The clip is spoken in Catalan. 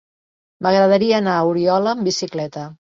M'agradaria anar a Oriola amb bicicleta.